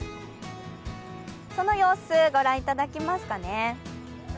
その様子、ご覧いただけますかね。